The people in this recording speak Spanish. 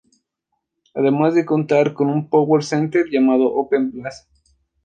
Además de contar con un Power center llamado Open Plaza.